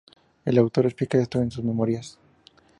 El autor explica esto en sus memorias.